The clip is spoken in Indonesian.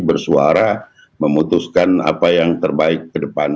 bersuara memutuskan apa yang terbaik ke depan